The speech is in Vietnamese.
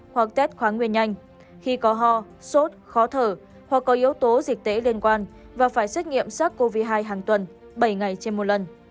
hoặc tết khoáng nguyên nhanh khi có ho sốt khó thở hoặc có yếu tố dịch tễ liên quan và phải xét nghiệm sars cov hai hàng tuần bảy ngày trên một lần